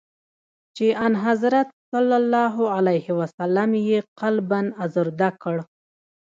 چي آنحضرت ص یې قلباً آزرده کړ.